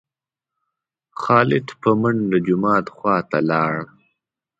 خالد په منډه جومات خوا ته لاړ.